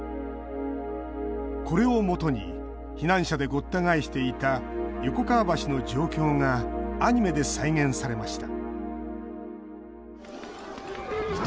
これをもとに避難者でごった返していた横川橋の状況がアニメで再現されました